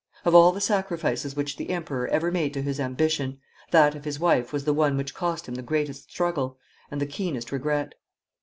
Of all the sacrifices which the Emperor ever made to his ambition that of his wife was the one which cost him the greatest struggle and the keenest regret.